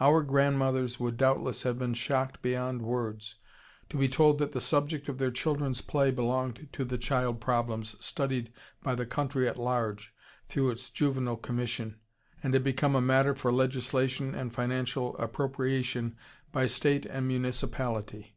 Our grandmothers would doubtless have been shocked beyond words to be told that the subject of their children's play belonged to the "Child Problems" studied by the country at large through its Juvenile Commission, and had become a matter for legislation and financial appropriation by state and municipality!